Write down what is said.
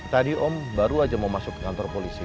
tadi om baru aja mau masuk ke kantor polisi